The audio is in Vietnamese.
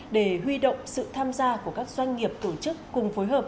để huy động sự tham gia của các doanh nghiệp tổ chức cùng phối hợp